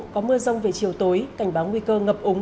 có mưa rông về chiều tối cảnh báo nguy cơ ngập ống